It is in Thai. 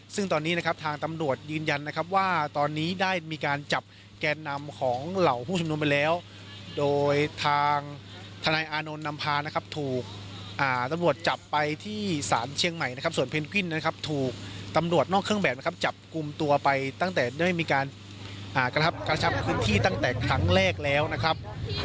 ซึ่งตอนนี้นะครับทางตำรวจยืนยันนะครับว่าตอนนี้ได้มีการจับแกนนำของเหล่าผู้ชมนุมไปแล้วโดยทางทนายอานนท์นำพานะครับถูกตำรวจจับไปที่ศาลเชียงใหม่นะครับส่วนเพนกวินนะครับถูกตำรวจนอกเครื่องแบบนะครับจับกลุ่มตัวไปตั้งแต่ได้มีการกระชับพื้นที่ตั้งแต่ครั้งแรกแล้วนะครับ